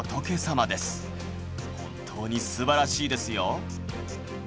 本当に素晴らしいですよ。